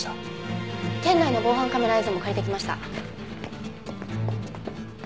店内の防犯カメラ映像も借りてきました。